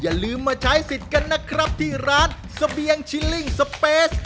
อย่าลืมมาใช้สิทธิ์กันนะครับที่ร้านเสบียงชิลลิ่งสเปส